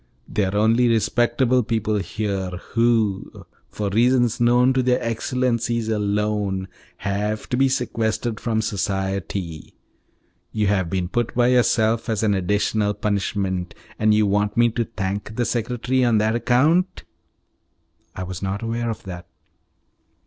They are only respectable people here, who, for reasons known to their excellencies alone, have to be sequestered from society. You have been put by yourself as an additional punishment, and you want me to thank the secretary on that account?" "I was not aware of that."